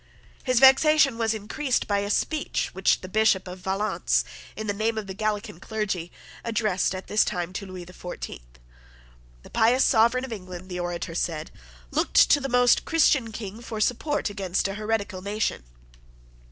His vexation was increased by a speech which the Bishop of Valence, in the name of the Gallican clergy, addressed at this time to Lewis, the Fourteenth. The pious Sovereign of England, the orator said, looked to the most Christian King for support against a heretical nation.